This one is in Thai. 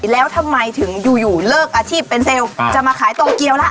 แล้วทำไมถึงยูอยเลิกอาทิตย์เป็นเซลล์แล้วจะมาขายตรงเกียวละ